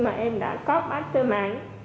mà em đã có bắt trên mạng